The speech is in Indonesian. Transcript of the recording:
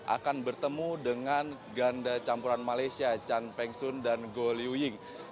akan bertemu dengan ganda campuran malaysia chan pengsun dan goh liu ying